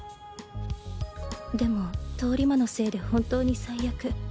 でも通り魔のせいで本当に最悪。